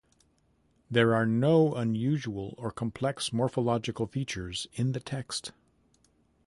There are no unusual or complex morphological features in the text.